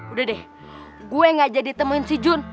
udah deh gue gak jadi teman si jun